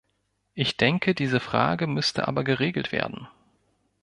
Ich denke, diese Frage müsste aber geregelt werden.